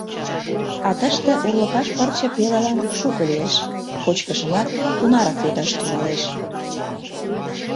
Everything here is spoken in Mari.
А тыште урлыкаш пырче пелылан шуко лиеш, кочкышымат тунарак йодаш тӱҥалеш.